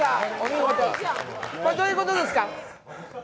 これ、どういうことですか？